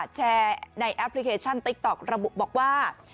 แชร์ในแอปพลิเคชันติ๊กต๊อกระบุบอกว่า